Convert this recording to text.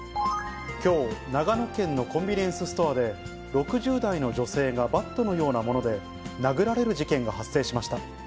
きょう、長野県のコンビニエンスストアで、６０代の女性がバットのようなもので殴られる事件が発生しました。